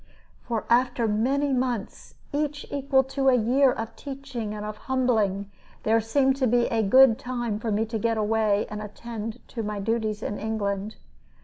For after many months each equal to a year of teaching and of humbling there seemed to be a good time for me to get away and attend to my duties in England.